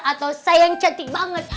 atau saya yang cantik banget